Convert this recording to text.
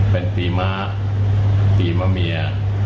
เป็นปีม้าปีมะเมีย